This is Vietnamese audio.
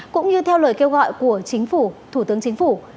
cũng như theo lời kêu gọi của chính phủ thủ tướng chính phủ